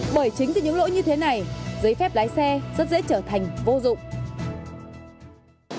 bởi chính từ những lỗi như thế này giấy phép lái xe rất dễ trở thành vô dụng